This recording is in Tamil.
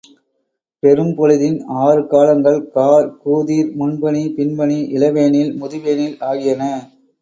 பெரும்பொழுதின் ஆறு காலங்கள் கார், கூதிர், முன்பனி, பின்பனி, இளவேனில், முதுவேனில் ஆகியன.